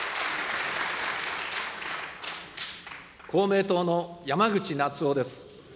公明党の山口那津男です。